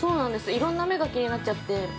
いろんな目が気になって。